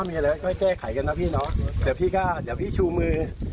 จะไม่มีอะไรให้แจ้ไขกันนะพี่น้องเดี๋ยวพี่หน้าเดี๋ยวพี่ชูมือ